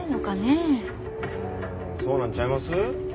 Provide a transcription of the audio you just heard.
んそうなんちゃいます？